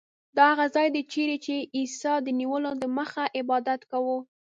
دا هغه ځای دی چیرې چې عیسی د نیولو دمخه عبادت کاوه.